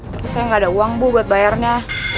tapi saya nggak ada uang bu buat bayarnya